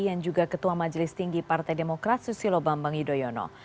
dan juga ketua majelis tinggi partai demokrat susilo bambang yudhoyono